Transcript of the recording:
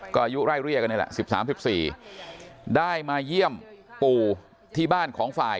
ก็อายุไร่เรียกอันนี้แหละสิบสามสิบสี่ได้มาเยี่ยมปู่ที่บ้านของฝ่าย